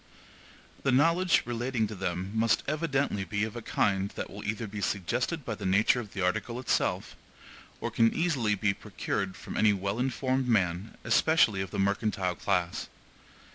The knowledge relating to them must evidently be of a kind that will either be suggested by the nature of the article itself, or can easily be procured from any well informed man, especially of the mercantile class.